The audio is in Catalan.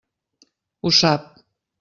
Ho sap.